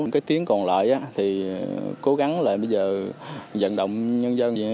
cái tiếng còn lại thì cố gắng là bây giờ vận động nhân dân